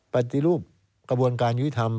ปฏิรูปกระบวนการยุติธรรม